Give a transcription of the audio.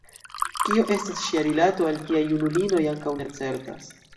Kio estis ŝia rilato al tiaj junulinoj, ankaŭ ne certas.